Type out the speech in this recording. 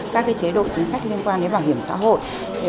các chế độ chính sách liên quan đến bảo hiểm xã hội